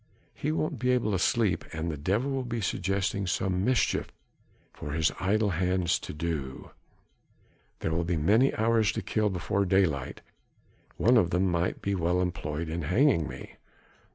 he won't be able to sleep and the devil will be suggesting some mischief for his idle hands to do. There will be many hours to kill before daylight, one of them might be well employed in hanging me."